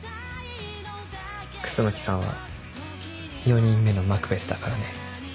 楠木さんは４人目のマクベスだからね。